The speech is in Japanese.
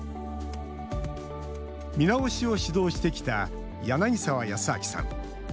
見直しを指導してきた柳澤靖明さん。